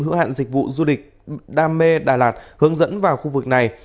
hữu hạn dịch vụ du lịch đam mê đà lạt hướng dẫn vào khu vực này